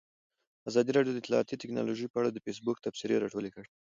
ازادي راډیو د اطلاعاتی تکنالوژي په اړه د فیسبوک تبصرې راټولې کړي.